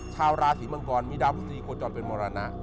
ชาวราศีมังกรมีดาวพฤษฎีโคจรเป็นมรณะ